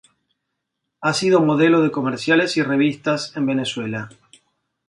Ha sido modelo de comerciales y revistas en Venezuela.